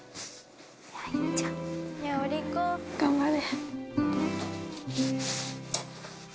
頑張れ。